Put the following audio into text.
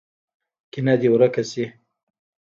کینه دې ورک شي.